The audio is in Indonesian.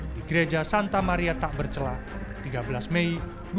di gereja santa maria takbercelah tiga belas mei dua ribu delapan belas